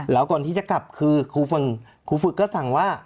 แล้วก่อนที่จะกลับคือครูฝึกก็สั่งว่า